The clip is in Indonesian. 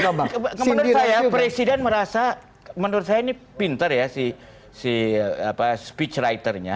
menurut saya presiden merasa menurut saya ini pinter ya si speech writernya